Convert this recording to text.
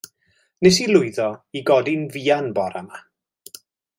Nes i lwyddo i godi'n fuan bora 'ma.